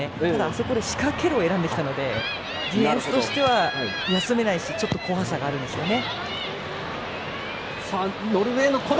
そこで仕掛けるを選んできたのでディフェンスとしては休めないしちょっと怖さがあるんですよね。